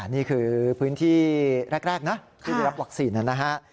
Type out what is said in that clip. นี่คือพื้นที่แรกนะที่ได้รับวัคซีนนะฮะ